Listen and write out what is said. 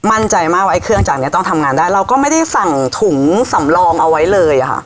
มั่นใจมากว่าไอ้เครื่องจากนี้ต้องทำงานได้เราก็ไม่ได้สั่งถุงสำรองเอาไว้เลยอะค่ะ